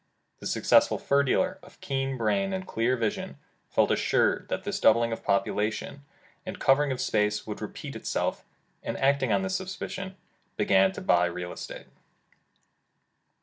The successful fur dealer, of keen brain and clear vision, felt assured that this doubling of population, and covering of space would repeat itself, and acting on this sup position, began to buy real estate.